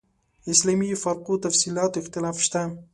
اسلامي فرقو تفصیلاتو اختلاف شته.